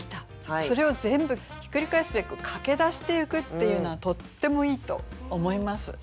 それを全部ひっくり返すべく「駆けだしてゆく」っていうのはとってもいいと思います。